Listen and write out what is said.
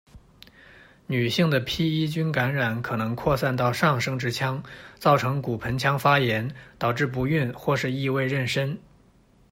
女性的披衣菌感染可能扩散到上生殖腔，造成骨盆腔发炎，导致不孕或是异位妊娠。